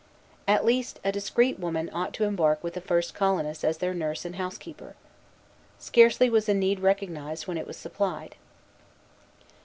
At least, a discreet woman ought to embark with the first colonists as their nurse and housekeeper. Scarcely was the need recognized when it was supplied.